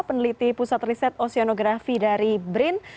peneliti pusat riset oseanografi dari brin